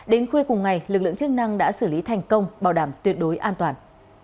đến khuya cùng ngày lực lượng chức năng đã xử lý thành công bảo đảm tuyệt đối an toàn